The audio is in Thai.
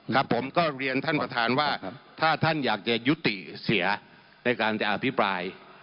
ครับผมก็เรียนท่านประธานว่าถ้าท่านอยากจะยุติเสียในการจะอภิปราย